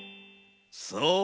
そう！